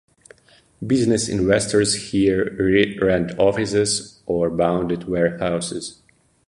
Business investors here rent offices or bonded warehouses.